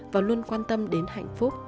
và luôn quan tâm đến hạnh phúc